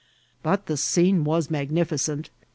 But the scene was magnificent.